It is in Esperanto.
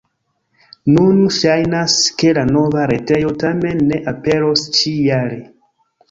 Nun ŝajnas, ke la nova retejo tamen ne aperos ĉi-jare.